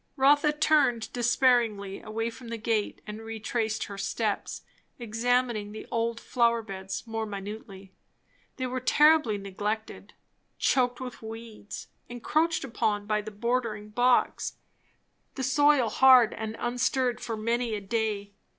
Rotha turned despairingly away from the gate and retraced her steps, examining the old flower beds more minutely. They were terribly neglected; choked with weeds, encroached upon by the bordering box, the soil hard and unstirred for many a day.